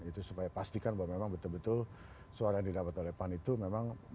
itu supaya pastikan bahwa memang betul betul suara yang didapat oleh pan itu memang